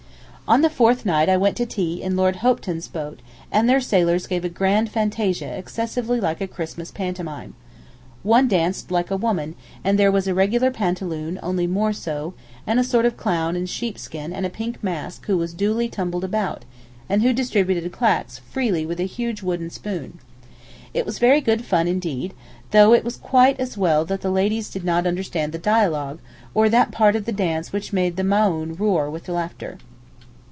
On the fourth night I went to tea in Lord Hopetoun's boat and their sailors gave a grand fantasia excessively like a Christmas pantomime. One danced like a woman, and there was a regular pantaloon only 'more so,' and a sort of clown in sheepskin and a pink mask who was duly tumbled about, and who distributed claques freely with a huge wooden spoon. It was very good fun indeed, though it was quite as well that the ladies did not understand the dialogue, or that part of the dance which made the Maōhn roar with laughter.